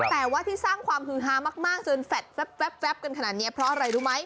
แต่ว่าที่สร้างความฮือฮามากจนแฟดแซ่บกันขนาดนี้เพราะอะไรรู้ไหม